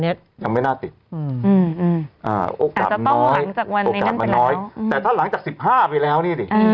อ๋อออกกลับน้อยออกกลับมาน้อยแต่ถ้าหลังจากสิบห้าไปแล้วนี่ดิ